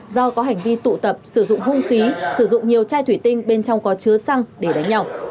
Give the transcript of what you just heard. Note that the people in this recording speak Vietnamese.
do có hành vi tụ tập sử dụng hung khí sử dụng nhiều chai thủy tinh bên trong có chứa xăng để đánh nhau